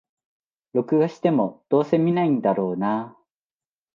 録画しても、どうせ観ないんだろうなあ